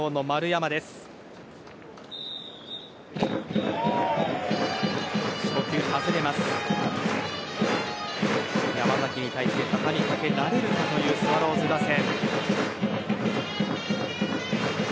山崎に対して畳みかけられるかというスワローズ打線。